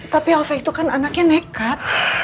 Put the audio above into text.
tapi elsa itu kan anaknya nekat